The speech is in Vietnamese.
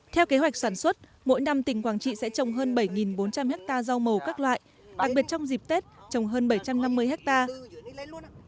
theo kế hoạch sản xuất mỗi năm tỉnh quảng trị sẽ trồng hơn bảy bốn trăm linh hectare rau màu các loại đặc biệt trong dịp tết trồng hơn bảy trăm năm mươi hectare